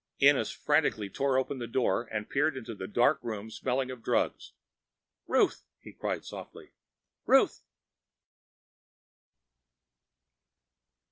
Ennis frantically tore open a door and peered into a dark room smelling of drugs. "Ruth!" he cried softly. "Ruth!"